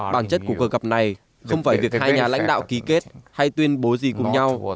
bản chất của cuộc gặp này không phải việc hai nhà lãnh đạo ký kết hay tuyên bố gì cùng nhau